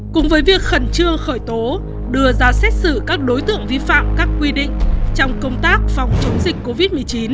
cùng với việc khẩn trương khởi tố đưa ra xét xử các đối tượng vi phạm các quy định trong công tác phòng chống dịch covid một mươi chín